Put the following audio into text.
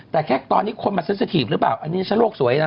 แต่แค่ตอนนี้คนมาซื้อสถีบหรือเปล่าอันนี้ฉันโลกสวยนะ